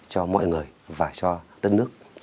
cho mọi người và cho đất nước